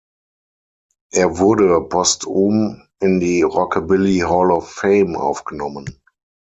Er wurde postum in die Rockabilly Hall of Fame aufgenommen.